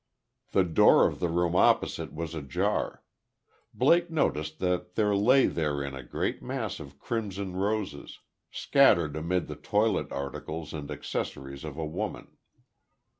The door of the room opposite was ajar. Blake noticed that there lay therein a great mass of crimson roses; scattered amid the toilet articles and accessories of a woman.